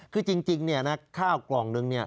คือจริงเนี่ยนะข้าวกล่องนึงเนี่ย